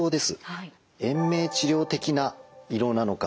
延命治療的な胃ろうなのか